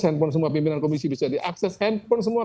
handphone semua pimpinan komisi bisa diakses handphone semua